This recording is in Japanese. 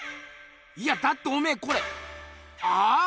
いやだっておめえこれああ？